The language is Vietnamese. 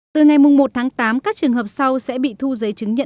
từ ngày một tháng tám các trường hợp sau sẽ bị thu giấy chứng nhận